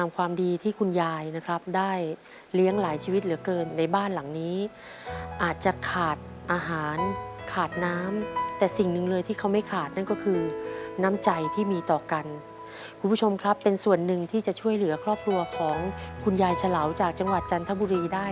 คุณยายเฉลาเลือกตอบตัวเลือกที่๓